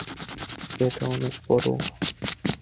এটা অনেক বড়।